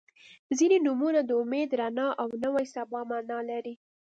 • ځینې نومونه د امید، رڼا او نوې سبا معنا لري.